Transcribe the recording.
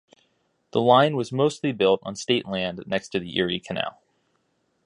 The line was mostly built on state land next to the Erie Canal.